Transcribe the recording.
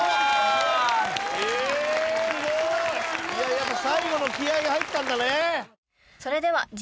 やっぱ最後の気合入ったんだね。